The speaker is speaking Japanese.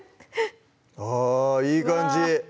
あぁいい感じ